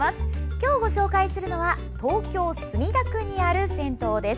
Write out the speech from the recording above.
今日、ご紹介するのは東京・墨田区にある銭湯です。